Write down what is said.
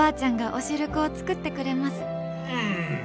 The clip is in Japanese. うん！